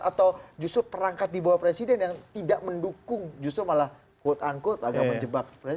atau justru perangkat di bawah presiden yang tidak mendukung justru malah quote unquote agak menjebak